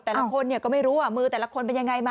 แต่ละคนก็ไม่รู้ว่ามือแต่ละคนเป็นยังไงมา